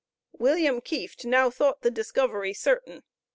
William Kieft now thought the discovery certain.